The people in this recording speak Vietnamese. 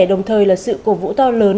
đồng thời là sự cổ vũ to lớn